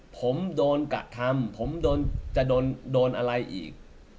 ผมโดนกระทำผมจะโดนอะไรอีก